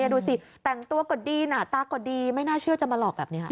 ดูสิแต่งตัวก็ดีหน้าตาก็ดีไม่น่าเชื่อจะมาหลอกแบบนี้